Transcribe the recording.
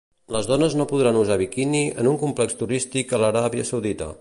Les dones no podran usar biquini en un complex turístic a l'Aràbia Saudita.